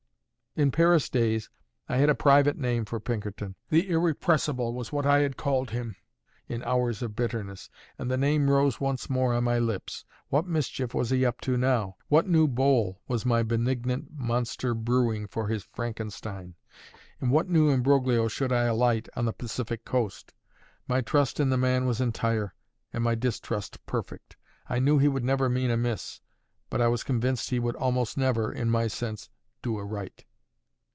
In Paris days I had a private name for Pinkerton: "The Irrepressible" was what I had called him in hours of bitterness, and the name rose once more on my lips. What mischief was he up to now? What new bowl was my benignant monster brewing for his Frankenstein? In what new imbroglio should I alight on the Pacific coast? My trust in the man was entire, and my distrust perfect. I knew he would never mean amiss; but I was convinced he would almost never (in my sense) do aright.